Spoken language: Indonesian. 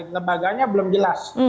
lembaganya belum jelas